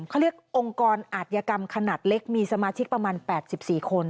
เขาเรียกองค์กรอาธิกรรมขนาดเล็กมีสมาชิกประมาณ๘๔คน